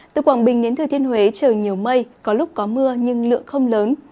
từ quảng bình đến thừa thiên huế trời nhiều mây có lúc có mưa nhưng lượng không lớn